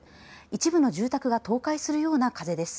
一部の住宅が倒壊するような風です。